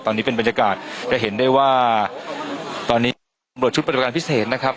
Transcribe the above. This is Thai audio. ตอนนี้เป็นบรรยากาศจะเห็นได้ว่าตอนนี้ตำรวจชุดปฏิบัติการพิเศษนะครับ